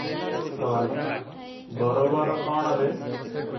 ସୱାଲ - ବରୋବର କଣ ରେ?